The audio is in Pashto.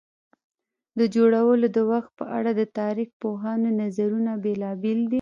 د جوړولو د وخت په اړه د تاریخ پوهانو نظرونه بېلابېل دي.